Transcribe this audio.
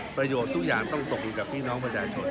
ประโยชน์ทุกอย่างต้องตกอยู่กับพี่น้องประชาชน